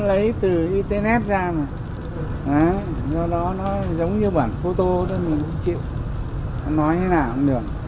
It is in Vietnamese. nó lấy từ internet ra mà nó giống như bản phô tô nó nói như nào cũng được